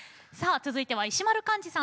続いては石丸幹二さん